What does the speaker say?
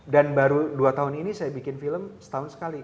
dan baru dua tahun ini saya bikin film setahun sekali